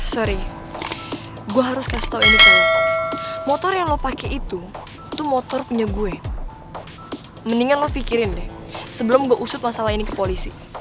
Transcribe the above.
sorry gue harus kasih tahu ini tuh motor yang lo pakai itu itu motor punya gue mendingan lo pikirin deh sebelum gue usut masalah ini ke polisi